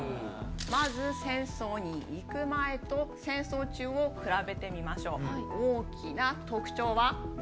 まず戦争に行く前と戦争中を比べてみましょう。